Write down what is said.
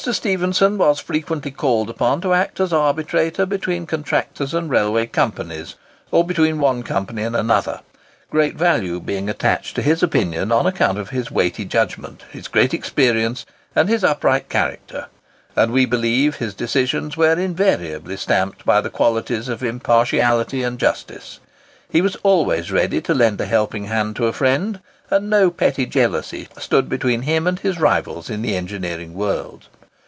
Stephenson was frequently called upon to act as arbitrator between contractors and railway companies, or between one company and another,—great value being attached to his opinion on account of his weighty judgment, his great experience, and his upright character, and we believe his decisions were invariably stamped by the qualities of impartiality and justice. He was always ready to lend a helping hand to a friend, and no petty jealousy stood between him and his rivals in the engineering world.